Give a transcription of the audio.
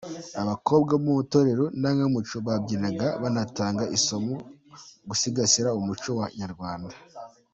Abakobwa bo mu Itorero Indangamuco babyinaga banatanga isomo mu gusigasira umuco wa Kinyarwanda.